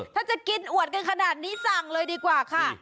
ถ้าจะกินอวดกันขนาดนี้สั่งเลยดีกว่าค่ะ